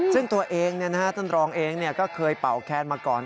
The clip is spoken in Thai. ซึ่งตัวเองท่านรองเองก็เคยเป่าแคนมาก่อน